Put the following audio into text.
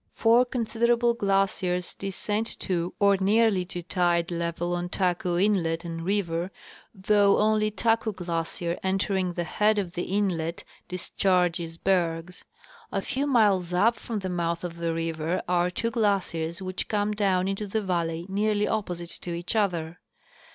Four considerable glaciers descend to or nearly to tide level on Taku inlet and river, though only Taku glacier, entering the head of the inlet, discharges bergs. A few miles up from the mouth of the river are two glaciers which come down into the valley nearly opposite to each other.